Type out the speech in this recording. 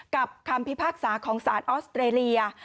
คำพิพากษาของสารออสเตรเลีย